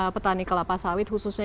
petani kelapa sawit khususnya